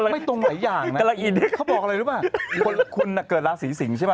ไม่ตรงไหนอย่างนะเขาบอกอะไรรู้ป่ะคุณเกิดรักสีสิงใช่ป่ะ